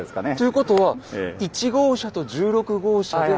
ことは１号車と１６号車で。